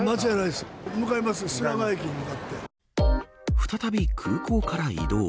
再び空港から移動。